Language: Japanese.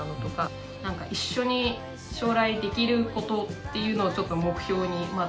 なんか一緒に将来できることっていうのをちょっと目標にまあ